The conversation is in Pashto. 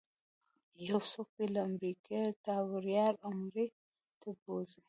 یو څوک دې له امریکې تا وړیا عمرې ته بوځي.